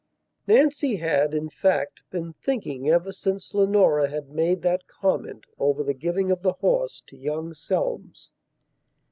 III NANCY had, in fact, been thinking ever since Leonora had made that comment over the giving of the horse to young Selmes.